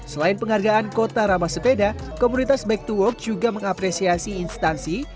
selain penghargaan kota ramah sepeda komunitas back to work juga mengapresiasi instansi